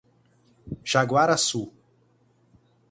Jaguaraçu